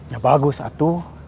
ya bagus atu